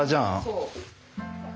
そう。